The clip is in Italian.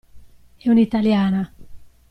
È un'italiana.